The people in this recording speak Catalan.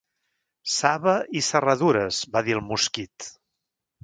"Saba i serradures", va dir el mosquit.